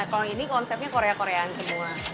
kalau ini konsepnya korea koreaan semua